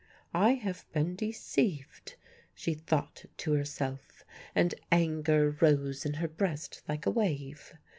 "I have been deceived," she thought to herself, and anger rose in her breast like a wave.